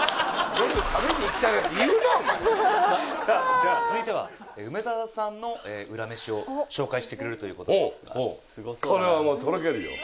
さあじゃあ続いては梅沢さんのウラ飯を紹介してくれるという事で。